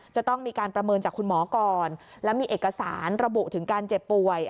จะต้องมีการประเมินจากคุณหมอก่อนและมีเอกสารระบุถึงการเจ็บป่วย